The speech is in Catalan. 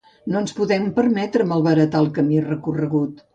No ens podem permetre malbaratar el camí recorregut.